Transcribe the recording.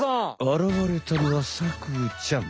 あらわれたのはサクちゃん。